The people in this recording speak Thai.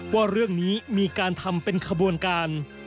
ว่าเรื่องนี้มีการทำเป็นขบวนการ